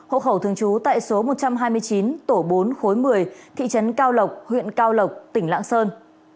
hộ khẩu thường trú tại số một trăm hai mươi chín tổ bốn khối một mươi thị trấn cao lộc huyện cao lộc tỉnh lạng sơn